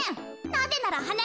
なぜならはな